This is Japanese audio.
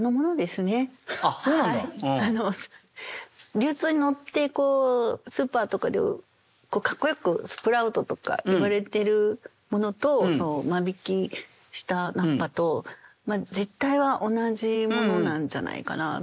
流通に乗ってスーパーとかでかっこよくスプラウトとかいわれているものと間引きした菜っ葉と実体は同じものなんじゃないかなと思いますね。